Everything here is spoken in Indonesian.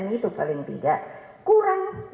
itu paling tidak kurang